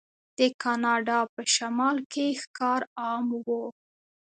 د کاناډا په شمال کې ښکار عام و.